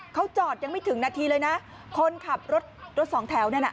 เขาจอดยังไม่ถึงนาทีเลยนะคนขับรถรถสองแถวนั่นน่ะ